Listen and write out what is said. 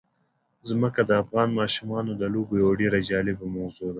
ځمکه د افغان ماشومانو د لوبو یوه ډېره جالبه موضوع ده.